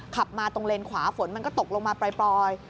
ขับมาตรงเลนขวาฝนมันก็ตกลงมาปล่อย